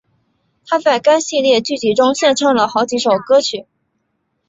她在该系列剧集中献唱了好几首歌曲。